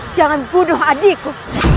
jangan bunuh adikku